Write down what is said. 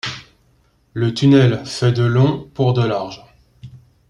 Le tunnel fait de long pour de large.